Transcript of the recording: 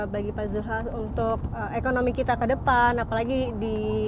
bagi pak zulhas untuk ekonomi kita ke depan apalagi di